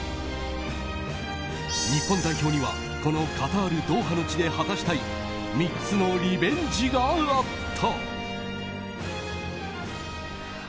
日本代表には、このカタールドーハの地で果たしたい３つのリベンジがあった。